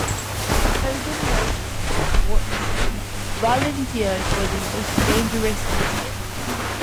Holder noted that Watson volunteered for the most dangerous missions.